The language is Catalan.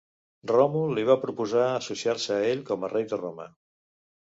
Ròmul li va proposar associar-se a ell com a rei de Roma.